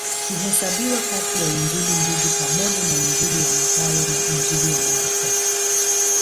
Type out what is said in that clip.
Huhesabiwa kati ya Injili Ndugu pamoja na Injili ya Mathayo na Injili ya Marko.